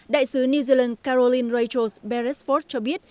đại sứ new zealand caroline rachel beresford cho biết